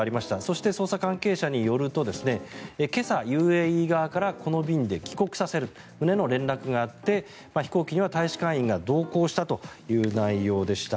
また捜査関係者によると今朝、ＵＡＥ側からこの便で帰国させる旨の連絡があって飛行機には大使館員が同行したという内容でした。